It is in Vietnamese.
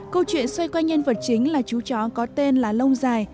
câu chuyện xoay qua nhân vật chính là chú chó có tên là lông dài